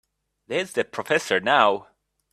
There's the professor now.